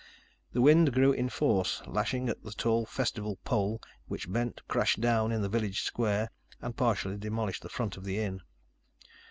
The wind grew in force, lashing at the tall festival pole, which bent, crashed down in the village square, and partially demolished the front of the inn.